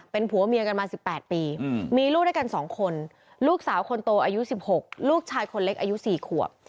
เป็นผัวเมียกันมา๑๘ปีมีลูกด้วยกัน๒คนลูกสาวคนโตอายุ๑๖ลูกชายคนเล็กอายุ๔ขวบ